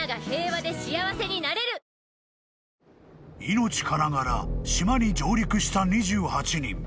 ［命からがら島に上陸した２８人］